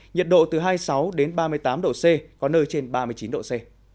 nhiệt độ từ hai mươi sáu đến ba mươi tám độ c có nơi trên ba mươi chín độ c